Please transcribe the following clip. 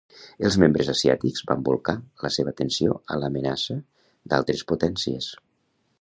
Els membres asiàtics van bolcar la seva atenció a l'amenaça d'altres potències.